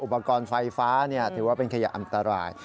อุปกรณ์ไฟฟ้าถือว่าเป็นขยะอันตราย